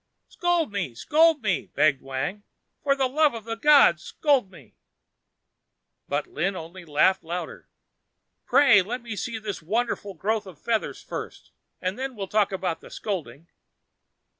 "Scold me! scold me!" begged Wang, "for the love of the gods scold me!" But Lin only laughed the louder. "Pray let me see this wonderful growth of feathers first, and then we'll talk about the scolding."